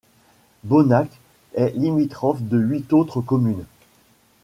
Bonnac est limitrophe de huit autres communes.